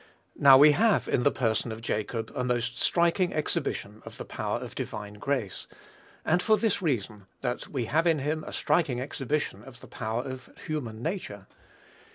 Now, we have in the person of Jacob a most striking exhibition of the power of divine grace; and for this reason, that we have in him a striking exhibition of the power of human nature.